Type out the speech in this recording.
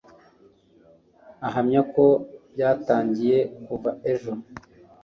Ahamya ko byatangiye kuva ejo